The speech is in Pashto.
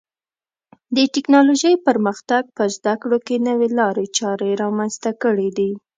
د ټکنالوژۍ پرمختګ په زده کړو کې نوې لارې چارې رامنځته کړې دي.